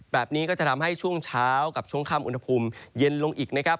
แบบนี้ก็จะทำให้ช่วงเช้ากับช่วงค่ำอุณหภูมิเย็นลงอีกนะครับ